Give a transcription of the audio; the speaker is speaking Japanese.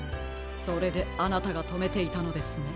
それであなたがとめていたのですね。